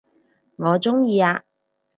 我鍾意啊